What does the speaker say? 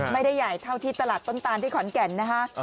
ไม่ได้ใหญ่เท่าที่ตลาดต้นตานที่ขอนแก่นนะคะ